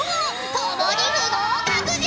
ともに不合格じゃ！